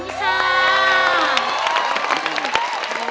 คุณรักคุณค่ะ